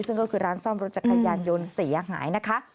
ซึ่งก็คือร้านซ่อมรถจักรยานยนต์เสียหายนะคะ